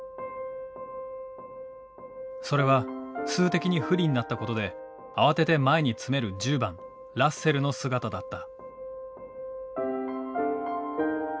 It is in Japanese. それは数的に不利になったことで慌てて前に詰める１０番ラッセルの姿だった。